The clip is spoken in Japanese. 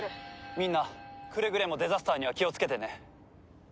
みんなくれぐれもデザスターには気をつけてね。